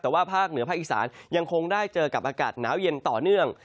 แต่ว่าภาคเหนือภาคอีสานยังคงได้เจอกับอากาศหนาวเย็นต่อเนื่อง